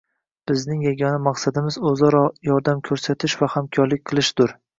Bizning yagona maqsadimiz o‘zaro yordam ko‘rsatish va hamkorlik qilishdir